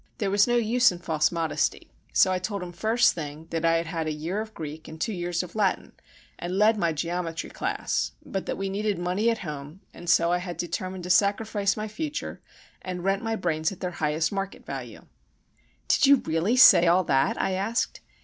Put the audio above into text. There was no use in false modesty; so I told him, first thing, that I had had a year of Greek, and two years of Latin, and led my geometry class; but that we needed money at home, and so I had determined to sacrifice my future, and rent my brains at their highest market value." "Did you really say all that?" I asked.